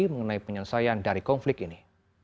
mengenai penyelesaian dari konflik ini